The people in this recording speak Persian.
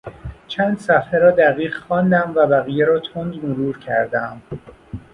چند صفحه را دقیق خواندم و بقیه را تند مرور کردم.